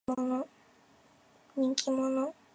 人気者。